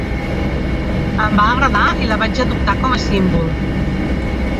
Em va agradar i la vaig adoptar com a símbol.